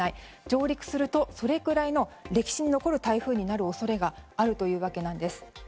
上陸するとそれくらいの歴史に残る台風になる恐れがあるというわけなんです。